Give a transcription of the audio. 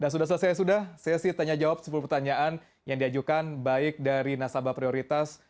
sudah selesai sudah sesi tanya jawab sepuluh pertanyaan yang diajukan baik dari nasabah prioritas